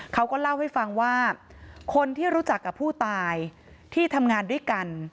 เขาก็เล่าให้ฟังว่าคนที่รู้จักกับผู้ตายที่ทำงานด้วยกัน